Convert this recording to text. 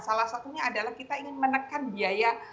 salah satunya adalah kita ingin menekan biaya